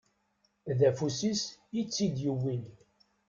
D afus-is i tt-id-yewwin.